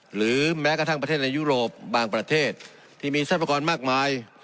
หรือแม้กระทั่งประเทศในยุโรปบางประเทศที่มีทรัพยากรมากมาย